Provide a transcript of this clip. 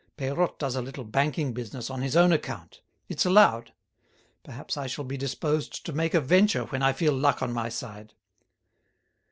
Peirotte does a little banking business on his own account. It's allowed. Perhaps I shall be disposed to make a venture when I feel luck on my side."